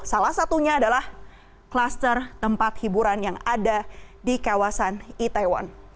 salah satunya adalah kluster tempat hiburan yang ada di kawasan itaewon